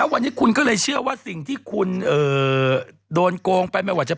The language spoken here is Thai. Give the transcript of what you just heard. ไม่ใช่ครับพี่หมอจริงเป็นแก้ปีชง